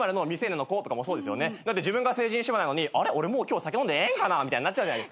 自分が成人してもないのに「俺今日酒飲んでええんかな」みたいになっちゃうじゃないですか。